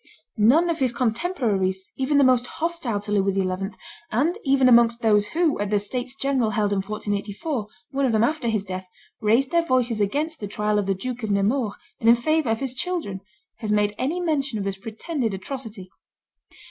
None of his contemporaries, even the most hostile to Louis XI., and even amongst those who, at the states general held in 1484, one of them after his death, raised their voices against the trial of the Duke of Nemours, and in favor of his children, has made any mention of this pretended atrocity.